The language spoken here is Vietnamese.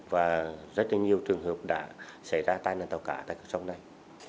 và rất là nhiều trường hợp đã xảy ra tai nạn tàu cả tại cửa sông này